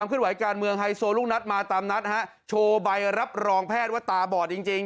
ขึ้นไหวการเมืองไฮโซลูกนัดมาตามนัดฮะโชว์ใบรับรองแพทย์ว่าตาบอดจริงจริง